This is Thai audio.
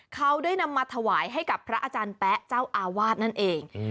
เขาได้นำมาถวายให้กับพระอาจารย์แป๊ะเจ้าอาวาสนั่นเอง